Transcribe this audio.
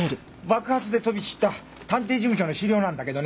爆発で飛び散った探偵事務所の資料なんだけどね。